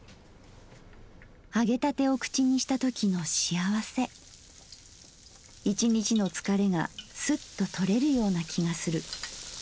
揚げたてを口にしたときのしあわせ一日の疲れがスッと取れるような気がする」。